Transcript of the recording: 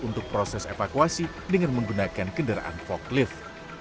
untuk proses evakuasi dengan menggunakan kendaraan forklift